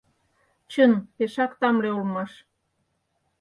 Чын, пешак тамле улмаш.